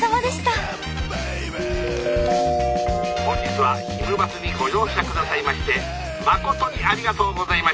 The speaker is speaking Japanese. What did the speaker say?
本日はひむバスにご乗車下さいましてまことにありがとうございました。